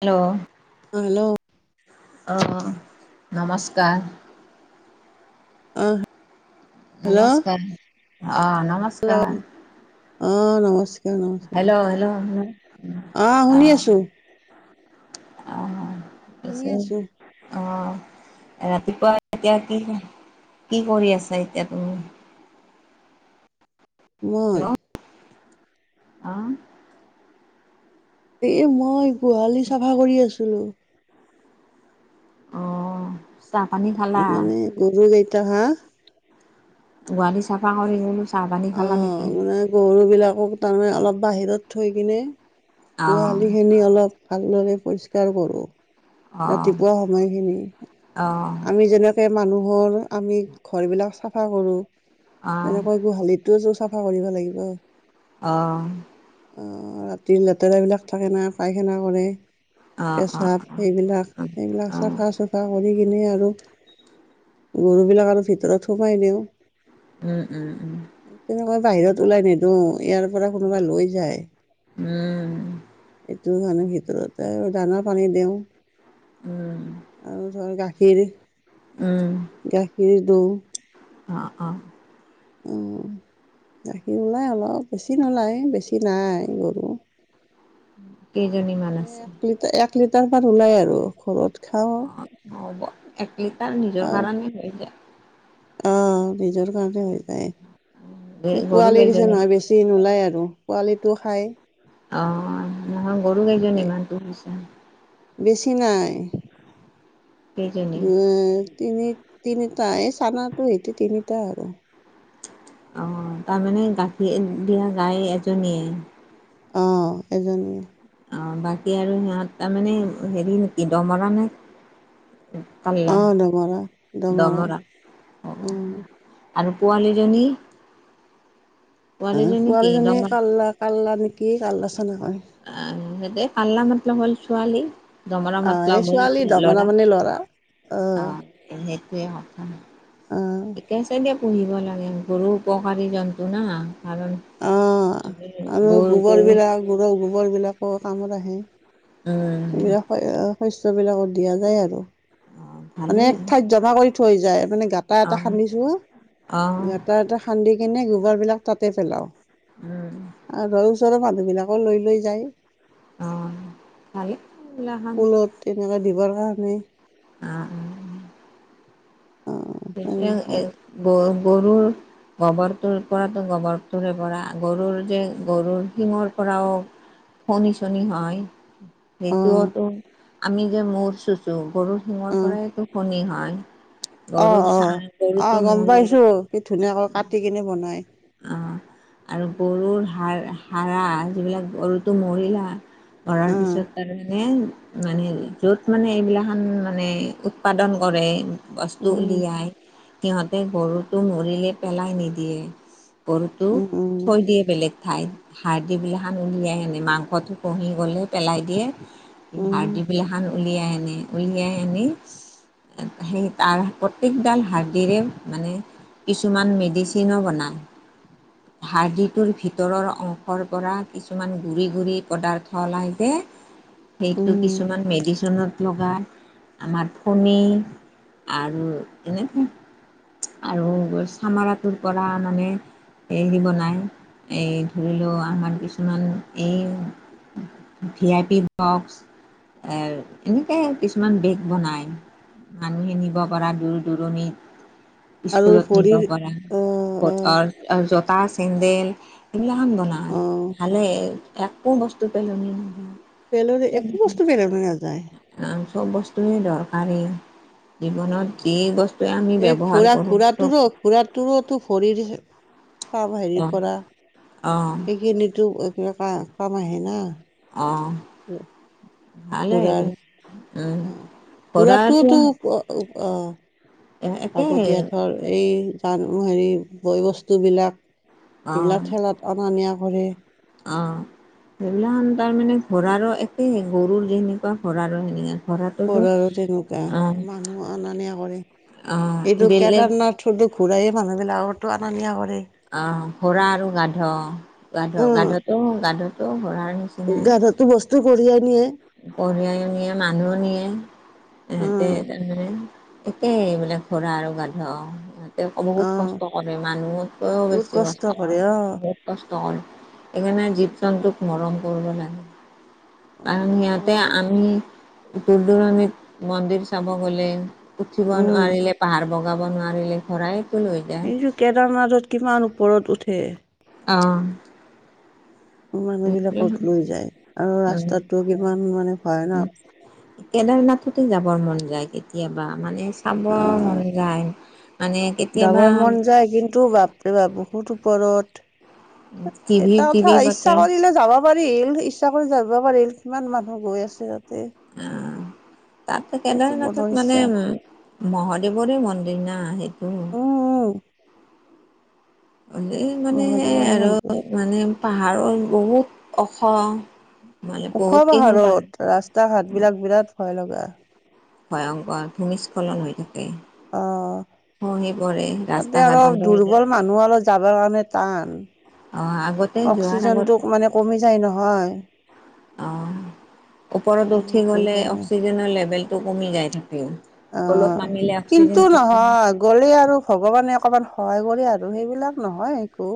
Hello. অ hello. অঁ নমস্কাৰ। অ। নমস্কাৰ অ নমস্কাৰ। হেল্ল' অ নমস্কাৰ। নমস্কাৰ হেল্ল' হেল্ল' হেল্ল' আহ শুনি আছোঁ। শুনি অছেয়। আছো [unintelligible] অ ৰাতিপুৱা এতিয়া কি কি কৰি আছা এতিয়া তুমি? মই। হেল্ল' অ। এ মই গোহালি চাফা কৰি আছিলো। অঁ। চাহ পানী খাল।। মানে গৰু কেইট হাঁহ। গোহালি চাফা কৰি গলো চাহ পানী অ খালা নেকি? মানে গৰু বিলাকক তাৰমানে অলপ বাহিৰত থৈ কিনে অ', গোহালি খিনি অলপ। ভালদৰে পৰিষ্কাৰ কৰো অ', ৰাতিপুৱা সময়খিনি অ', অ', আমি যেনে। মানুহৰ আমি ঘৰবিলাক চাফা কৰোঁ অ', যেনেকৈ গোহালিত। গোহালি চাফা কৰিব লাগিব। অঁ। ৰাতিৰ লেতেৰাবিলাক থাকে না পায়খানা কৰে। অ অ অ। বিলাক এইবিলাক চাফা। চফা কৰি কিনে আৰু গৰু বিলাক আৰু ভিতৰত সোমাই দিও। উম উম উম। তেনেকৈ বাহিৰত ওলাই নিদিও ইয়াৰ পৰা কোনোবাই লৈ যায়। উম, উম, এইটো কাৰণে ভিতৰতে আৰু দানৰ পানী দিওঁ। উম। আৰু ধৰ গাখীৰ। উম। গাখীৰ দিওঁ। অঁ অঁ। অ [inaudible] গাখীৰ ওলায় অলপ বেছি নোলায় বেছি নাই গৰু। কেইজনীমান এ আছে? এক লিটাৰ এক লিটাৰ মান ওলাই আৰু ঘৰত। খাওঁ অ হ'ব এক লিটাৰ নিজৰ কাৰণে হৈ যায়। অঁ নিজৰ কাৰণে হৈ যায় গৰু পোৱালি দিছে কেইজনী? নহয় বেছি। নলায় আৰু পোৱালিটো খাই। অ নহয় গৰু কেইজনী মান পোহিছা। বেছি নাই। কেইজনী? তিনি তিনিটা এই চানাটো হিতি তিনিটা আৰুহ অঁ তাৰমানে গাখীৰ দিয়া গাই এজনীয়ে। অ এজনীয়ে। অ বাকী আৰু সিহঁত তাৰমানে হেৰি নেকি দমৰা নে। অ কাল্লা দমৰা দমৰা। উম আৰু পোৱালিজনী। পোৱালিজনী কি পোৱালিজনীয়ে দমৰা কাল্লা কাল্লা নেকি কাল্লাচানা কয়। অ সেইটোৱে কাল্লা মতলব হ'ল ছোৱালী। দমৰা অ এই মাতলাব ছোৱালী হল দমৰা ল'ৰা মানে অ সেইটোৱে অ। [unintelligible] পুহিব লাগে গৰু উপকাৰী জন্তু না কাৰণ। অ গল গৈ। গৰুৰ গোবৰবিলাকো কামত আহে। উম। এইবিলাক শস্যবিলাকত দিয়া যায় আৰু। অ মানে ভালেই এক ঠাইত জমা কৰি থৈ যায় মানে গাঁটা অ এটা খান্দিছো অ অ গাত এটা। খান্দি কিনে গোবৰ বিলাক তাতে পেলাও উম আৰু। ওচৰৰ মানুহবিলাকো লৈ লৈ যায়। অ ভালে এই [unintelligible] খান। তেনেকুৱৈ দিবৰ কাৰণে। অ। অ এ তেনেকুৱাই গ গৰুৰ। গোবৰটোৰ পৰাতো গোবৰটোৰে পৰা গৰুৰ যে গৰুৰ শিঙৰ পৰাও। ফনি চনি হয়। অ সেইটোতো আমি যে মূৰ চুচো গৰু শিঙৰ অ পৰাইটো ফনি হয়। অ গৰুৰ অ চাহ অ গৰুটো গম মৰিলে। পাইছো কি ধুনীয়াকৈ কাটি কিনে বনাই অ আৰু গৰুৰ হা- হাৰা যিবিলাক গৰুটো মৰিলা। কৰাৰ অ পিছত তাৰমানে। মানে যত মানে এইবিলাক লা খান মানে উৎপাদন কৰে। বস্তু উম উলিয়াই সিহঁতে গৰুটো মৰিলে পেলাই নিদিয়ে। গৰুটো উম উম থৈ দিয়ে বেলেগ ঠাইত। সাৰ দি পিলা খান উলিয়াই হেনে মাংসটো কহি গ'লে পেলাই দিয়ে। হাৰ দি উম বিলা খ উলিয়াই আনে উলিয়াই আনি সেই। তাৰ প্ৰত্যেকডাল হাৰ্ডিৰে মানে কিছুমান মেডিচিনো বনায়। হয়। হাৰডিটোৰ ভিতৰৰ অংশৰ পৰা কিছুমান গুৰি গুৰি পদাৰ্থ ওলাই যে সেইটো উম কিছুমান মেডিচিনত লগাই আমাৰ ফণী আৰু এনেকে আৰু চামৰাটোৰ পৰা মানে এইদি বনায় এই ধৰি লও আমাৰ কিছুমান এই ভি আই পি বক্স এ এনেকাই কিছুমান বেগ বনাই মানুহখিনি নি পৰা দূৰ দূৰণিত আৰু স্কুলত নিব ভৰিৰ পৰা অ অ বতৰ [unintelligible] জোতা চেন্দেল এইবিলাহান বনাই অ ভালে। একো বস্তু পেলনি নাই। পেলনি একো বস্তু পেলনি নাযায়। আম চব বস্তুৱে দৰকাৰী। অ জীৱনত এই বস্তুৱে আমি ব্যৱহাৰ কৰো চব তোৰো ভৰি দিছে চাম হেৰিৰ অঁ পৰা অঁ সেইখিনিতো কিবা ক কাম আহে না। অ'। উম। খুুৰাৰ উম, অ', ঘোঁৰাটো খুৰাটোওতো আহ এ একেই আগতিয়া ধৰ এই জান হেৰি বয় বস্তুবিলাক এইবিলাক খেলাত অনা নিয়া কৰে। অ'। সেইবিলাখান তাৰমানে ঘোঁৰৰ আৰু একে গৰুৰ যেনেকুৱা ঘোঁৰৰো সেনেক ঘৰত ঘোঁৰাৰো তেনেকুৱা মানুহ অনা নিয়া কৰে অ', এইটো বেলেগ কেদাৰনাথ থটো ঘূৰাইে মানুহবিলাকতো অনা নিয়া কৰে অ', ঘোঁৰা আৰু গাধ, গাধ গাধতটো, গাধতটো ঘোঁৰাৰ নিচিনা গাধতো বস্তু কঢ়িয়াই নিয়ে। কঢ়িয়াই নিয়া মানুহও নিয়ে সহতে অ' তাৰমানানে একেই মানে ঘোঁৰা আৰু গাধ। বহুত অ' কষ্ট কৰে মানুহতকও বেছিছ কষ্ট কৰে। কষ্টকৰে সেইকাৰণে জীৱ জন্তুক মৰম কৰিব লাগে। কাৰণ লাগে সিহঁতে অ' আমি দূৰ দূৰণিত মন্দিৰ চাব গ'লে উঠিব উম নোৱাৰিলে পাহাৰ বগাব নোৱাৰিলে ঘোঁৰাই টো লৈ যায়। এইযো কেদাৰনাথত কিমান ওপৰত উঠে। অ'। মানুহ বিলাকত লৈ যায় আৰু উম ৰাস্তাতটো কিমান মানে ভয় ন। কেদাৰনাথতে যাবৰ মন যায় কেতিয়াবা মানে। চাব মন যায় মানে যাব কেতিয়াবা মন যায় কিন্তু বাপ বহুত ওপৰত। টিভি এটা টিভি কথা পাতে ইচ্ছা কৰিলে যাব পাৰি পাৰিল ইচ্ছা কৰি যাব পাৰিল কিমান মানুহ গৈ আছে তাতে। আহ তাত এইটো কেদাৰ মনৰ নাথত মানে ইচ্ছা মহাদেৱৰে মন্দিৰ না সেইটো উম উম হলে মানে সেইয মহাদেৱৰে আৰু মন্দিৰ মানে পাহাৰৰ বহুত ওখ মানে ওখ বহুত কেইখন পাহাৰ পাহাৰত ৰাস্তা ঘাট বিলাক বিৰাট ভয় লগা ভয়ংকৰ ভূমিস্খলন হৈ থাকে। অ খহি পৰে ৰাস্তা ঘাট বন্ধ হৈ যায়। মই অলপ যাবৰ কাৰণে টান, অ আগতে যোৱাৰ আগত অক্সিজেনটো মানে- কমি যায় নহয়। অঁ', ওপৰত উঠি সেইটো গ'লে কাৰণে অক্সিজেনৰ লেভেলটো কমি যায় থাকে। তলত নামিলে অক্সিজেন। গ'লেই আৰু ভগৱানে অকণমান সহায় কৰে আৰু সেইবিলাক নহয় একো।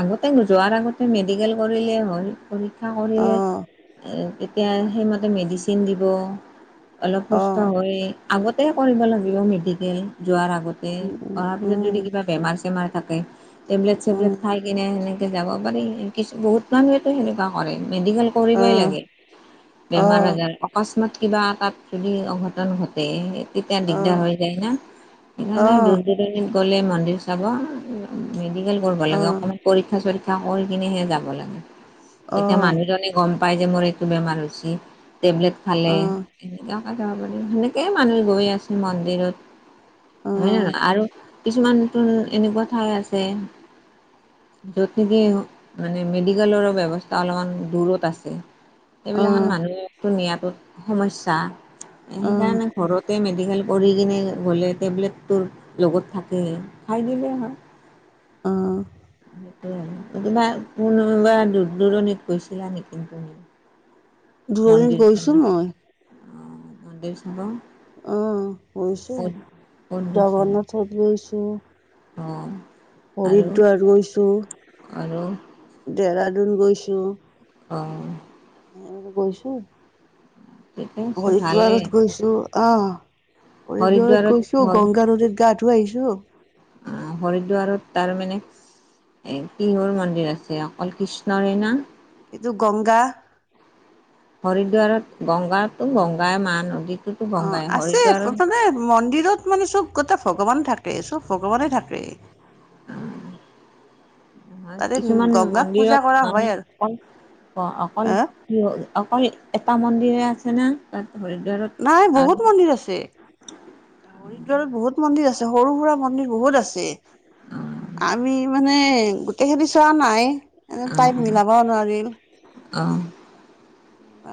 আগতে যোৱাৰ আগতে মেডিকেল কৰিলেই হল। পৰীক্ষা কৰিলে অ তেতিয়া সেইমতে মেডিচিন দিব। অলপ সুস্থ হৈ আগতে কৰিব লাগিব মেডিকেল যোৱাৰ আগতে। অহাৰ পিছত যদি কিবা বেমাৰ চেমাৰ থাকে টেবলেট চেবলেট খাই কিনেহেনে- যাব পাৰি বহুত মানুহেতো সেনেকুৱা কৰে। মেডিকেল- কৰিবই লাগে বেমাৰ আজাৰ। অকস্মাত কিবা তাত যদি অঘটন ঘটে সেই- তেতিয়া দিগদাৰ হৈ যায় ন, সেইকাৰণে দূৰ -দূ- ৰণি গ'লে মন্দিৰ যাব, মেডিকেল কৰিব লাগে অকণমান পৰীক্ষা- কৰি কিনেহে যাব লাগে, তেতিয়া মানুহজনে গম পাই যে মোৰ এইটো বেমাৰ হৈ হৈছে। টেবলেট খালে এনেকুৱাকৈ যাব পাৰি, সেনেকেই মানুহ গৈ আছে মন্দিৰত। হয় নে নহয়। আৰু কিছুমান নতুন এনেকুৱা ঠাই আছে - য'ত নেকি মানে মেডিকেলৰো ব্যৱস্থা অলপমান দূৰত আছে। এইবিলাকত মানুহৰ নিয়াটো সমস্যা সেইকাৰণে ঘৰতে মেডিকেল- কৰি কিনে গ'লে টেবলেটতো লগত থাকে খাই দিলে হয়। উমঁ। সেই আৰু কিবা কোনোবা দূৰ -দূৰণিত গৈছিলা নেকি তুমি? দূৰণিত গৈছো মই। অঁ ', - জগন্নাথ গৈছা? অঁ', গৈছো ক'ত জগন্নাথত গৈছো। অঁ। হৰিদ্বাৰ গৈছো, আৰু দেৰাডুন গৈছো। অঁ। এইবোৰত গৈছো। ঠিকে আছে ভালেই হৰিদ্বাৰত গৈছো। অঁহ ', হৰিদ্বাৰত গৈছো, গংগা নদীত গা ধুই আহিছো। উমঁ হৰিদ্বাৰত তাৰ মানে এই কিহৰ মন্দিৰ আছে অকল কৃষ্ণৰে না? এইটো গংগা। হৰিদ্বাৰত গংগাতো গংগাই মা নদীত। অঁ', আছে মানে মন্দিৰত- মানে চব গোটেই ভগৱান থাকে, চব ভগৱানে থাকে। উমঁ। তাতে কিছুমান গংগাক পূজা কৰা মন্দিৰত হয় মানে আৰু অকল হা অকল- অকল এটা মন্দিৰে আছে না? তাত হয় দে। নাই বহুত মন্দিৰ আছে। হৰিদ্বাৰত বহুত মন্দিৰ আছে সৰু সুৰা মন্দিৰ বহুত আছে। আমি মানে গোটেই খিনি চোৱা নাই। এনে টাইম মিলাবও নোৱাৰিলো। অঁ।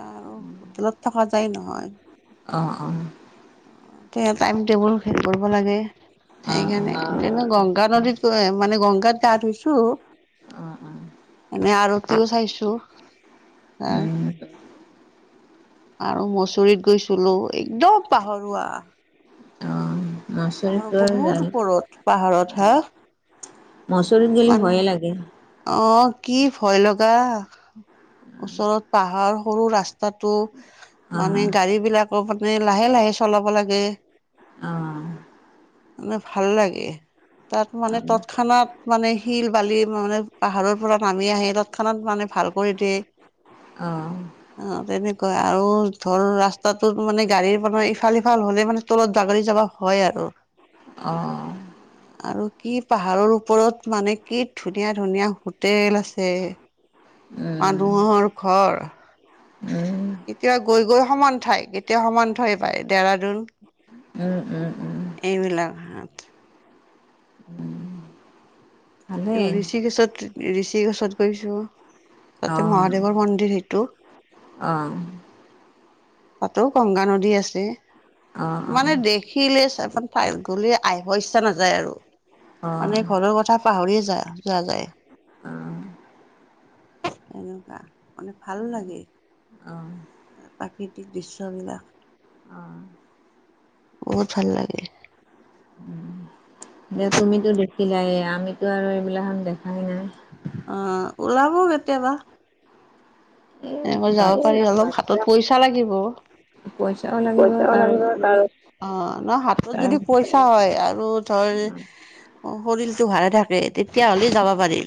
অঁ, হোটেলত থকা যায় নহয়। অঁ অঁ। এ টাইম টেবুল হেৰি কৰিব লাগে, অ সেইকাৰণে। এনে গংগা নদীত মানে গংগাত গা ধইছো। অ অ অ এনে আৰু আৰু চাইছো, এঁ উম আৰু মচৰিত গৈছিলো, একদম পাহৰুৱা। অঁ, পাহাৰৰ মচৰিত গল বহুত জানো। ওপৰত পাহাৰত হা মচৰিত গলি ভয়ে লাগে। অঁ, কি ভয় লগা ওচৰত পাহাৰ। সৰু ৰাস্তাতটো অ মানে গাড়ী বিলাকো মানে লাহে লাহে চলাব লাগে। অঁ মানে ভাল লাগে। তাত অ', মানে তৎক্ষণাত মানে শিল বালি মানে পাহাৰৰ পৰা নামি আহে তাত। ক্ষণাত মানে ভাল কৰি দিয়ে। অ', অঁ, তেনেকুৱা আৰু ধৰ ৰাস্তাটোত মানে গাড়ীৰ মানে ইফাল সিফাল হ'লে মানে তলত জাগৰি যাৱা হয় আৰু। অঁ আৰু কি পাহাৰৰ ওপৰত মানে কি ধুনীয়া ধুনীয়া হোটেল আছে। মানুহৰ ঘৰ, উম, এতিয়া গৈ গৈ সমান ঠাই। এতিয়া সমান ঠাই পায় ডেৰাডোন। উম উম উম। এইবিলাক হাঁত উম ঋষিকেষত ঋষিকেষত গৈছো, তাতে মহাদেৱৰ মন্দিৰ সেইটো। অঁ তাতোও গংগা নদী আছে। অ', মানে দেশ দেখিলে গলে ছেভেন ফাইভ গলে আহিব ইচ্ছা নাযায় আৰু। অ', অ', মানে ঘৰৰ কথা পাহৰিয়ে যা যোৱা যায়। উম এনেকুৱা, মানে ভাল লাগে। প্ৰাকৃতিক দৃশ্যবিলাক। অঁহ বহুত ভাল লাগে। এ তুমিতো দেখিলাই, আমিতো আৰু এইবিলাকখন দেখাই নাই। অঁ, ওলাব কেতিয়াবা। এই এনেকৈ যাব পাৰি, বাচ্ছা অলপ হাতত পইচা লাগিব। পইচাও লাগিব পইচা লাগিব তাৰোপৰি তাৰ, অঁ হাতত তাৰ যদি পইচা হয়, আৰু ধৰ শৰীৰটো ভাল থাকে তেতিয়া হ'লে যাব পাৰি।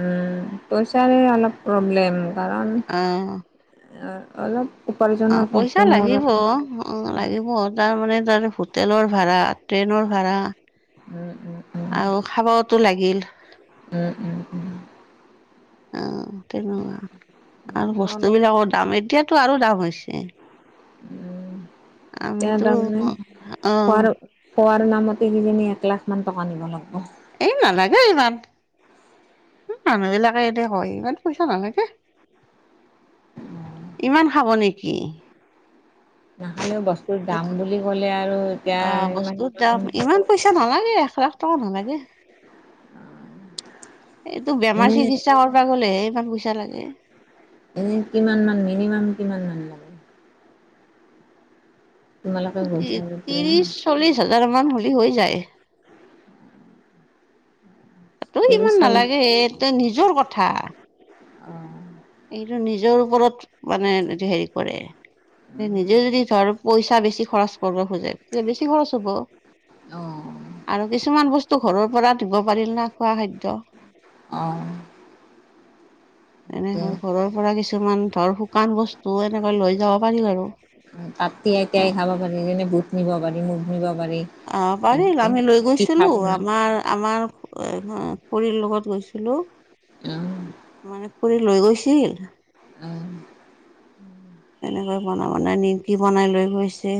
উম, পইচাৰে অলপ প্ৰব্লেম কাৰণ অ অলপ উপাৰ্জনৰ কথটো মোৰ। অঁ লাগিব, তাৰমানে তাৰ হোটেলৰ ভাড়া, ট্ৰেইনৰ ভাড়া উম উম। উম, আৰু খাবতো লাগিল, উম, উম, উম। আঁহ তেনেকুৱা আৰু বস্তু অলপ বিলাকৰ দাম এতিয়াতো আৰু দাম হৈছে। উম এতিয়া আমিতো তাৰমানে অ। খোৱাৰ খোৱাৰ নামতে সিজনী এক লাখ মান টকা নিব লাগিব। এই নালাগে ইমান। উ মানুহ বিলাকে এনে হয় ইমান পইচা নালাগে। উম, ইমান খাব নেকি নাখালেও বস্তুৰ দাম বুলি ক'লে আৰু এতিয়া আহ ইমান বস্তু দাম ইমান পইচা নালাগে এক লাখ। ত নালাগে। উ। এইটো বেমাৰ চিকিৎসা কৰা গ'লেহে ইমান পইচা লাগে। এনে কিমান মান মিনিমাম কিমান মান লাগে। তোমালোকে তি গৈছা যেতিয়া ত্ৰিশ চল্লিশ হাজাৰ মান হ'লে হৈ যায়। তাতটো ত্ৰিছ ইমান চল্লিছ নালাগে এ তই নিজৰ কথা। অ। এইটো নিজৰ ওপৰত মানে হেৰি কৰে, নিজেও যদি ধৰ পইচা বেছি খৰচ কৰিব খোজে, তে বেছি খৰচ হব, অ', আৰু কিছুমান বস্তু ঘৰৰ পৰা দিব পাৰিল না খোৱা খাদ্য। অ। তে এনেকৈ ঘৰৰ পৰা কিছুমান ধৰ শুকান বস্তু এনেকৈ লৈ যাব পাৰি আৰু। তাত তিয়াই তিয়াই খাব পাৰি যেনে বুট নিব পাৰি মুগ নিব পাৰি। অ পাৰিল এনেকে আমি লৈ পিঠা গৈছিলো পনা আমাৰ, আমাৰ আ অ খুৰীৰ লগত গৈছিলোঁ, অ', মানে খুৰী লৈ গৈছিল। আহ। তেনেকৈ বন বনাই নিমকি বনাই লৈ গৈছে।